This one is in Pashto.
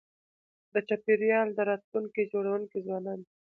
د چاپېریال د راتلونکي جوړونکي ځوانان دي.